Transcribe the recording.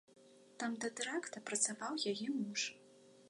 Там да тэракта працаваў яе муж.